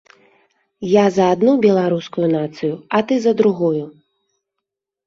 Я за адну беларускую нацыю, а ты за другую.